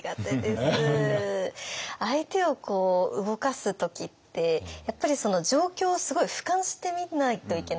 相手を動かす時ってやっぱり状況をすごいふかんして見ないといけないですよね。